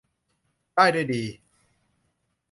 ได้ด้วยดี